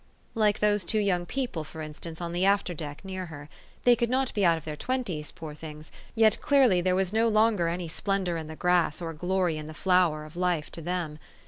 Like those two young people, for instance, on the after deck near her ; they could not be out of their twenties, poor things, yet clearly there was no lon ger any splendor in the grass, or glory in the flower, of life, to them.